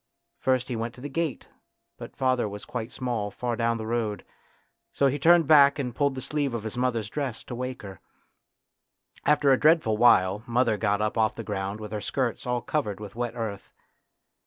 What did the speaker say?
First he went to the gate, but father was quite small far down the road, so he turned back and pulled the sleeve of his mother's dress, to wake her. After a dreadful while mother got up off the ground with her skirt all covered with wet earth.